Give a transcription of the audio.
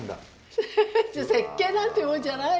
設計なんてもんじゃない。